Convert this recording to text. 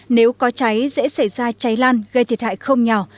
nếu có cháy dễ xảy ra cháy lan gây thiệt hại không nhỏ